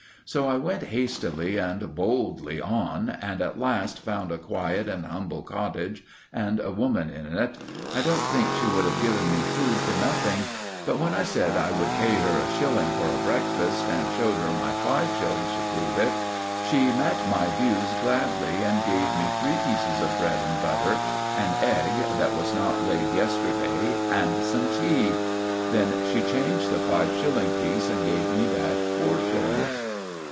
So I went hastily and boldly on, and at last found a quiet and humble cottage and a woman in it. I don't think she would have given me food for nothing; but when I said I would pay her a shilling for a breakfast, and showed her my five shillings to prove it, she met my views gladly and gave me three pieces of bread and butter, an egg, that was not laid yesterday, and some tea. Then she changed the five shilling piece and gave me back four shillings.